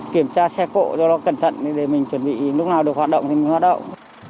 kiểm tra xe cộ do đó cẩn thận để mình chuẩn bị lúc nào được hoạt động thì mình hoạt động